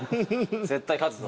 絶対勝つぞ。